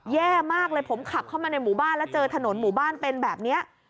แย่มากเลยผมขับเข้ามาในหมู่บ้านแล้วเจอถนนหมู่บ้านเป็นแบบนี้